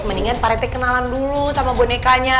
mendingan pak rt kenalan dulu sama bonekanya